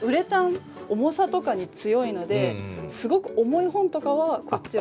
重さとかに強いのですごく重い本とかはこっちを。